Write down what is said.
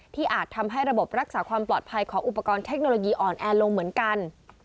อาจทำให้ระบบรักษาความปลอดภัยของอุปกรณ์เทคโนโลยีอ่อนแอลงเหมือนกัน